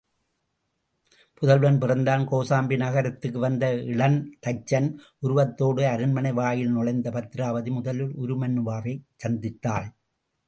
புதல்வன் பிறந்தான் கோசாம்பி நகரத்துக்கு வந்து இளந்தச்சன் உருவத்தோடு அரண்மனை வாயிலில் நுழைந்த பத்திராபதி, முதலில் உருமண்ணுவாவைச் சந்தித்தாள்.